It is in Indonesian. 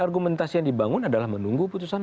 argumentasi yang dibangun adalah menunggu putusan